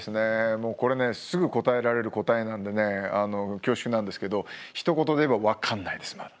もうこれねすぐ答えられる答えなんでね恐縮なんですけどひと言で言えば分かんないですまだ。